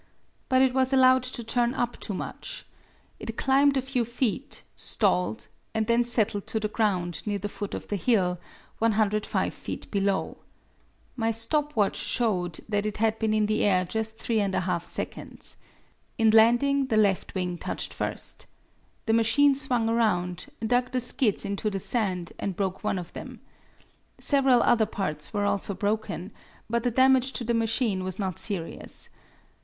But it was allowed to turn up too much. It climbed a few feet, stalled, and then settled to the ground near the foot of the hill, 105 feet below. My stop watch showed that it had been in the air just 3 1/2 seconds. In landing the left wing touched first. The machine swung around, dug the skids into the sand and broke one of them. Several other parts were also broken, but the damage to the machine was not serious.